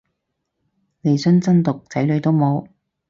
利申真毒仔女都冇